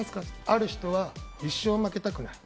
ある人は、一生負けたくない。